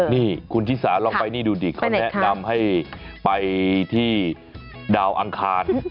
นี่คุณชิสาลองไปนี่ดูดิเขาแนะนำให้ไปที่ดาวอังคาร